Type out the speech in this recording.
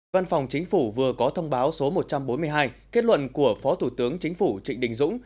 văn phòng chính phủ vừa có thông báo số một trăm bốn mươi hai kết luận của phó thủ tướng chính phủ trịnh đình dũng